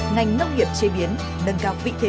ngành nông nghiệp chế biến nâng cao vị thế